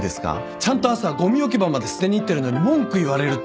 ちゃんと朝ごみ置き場まで捨てに行ってるのに文句言われるって。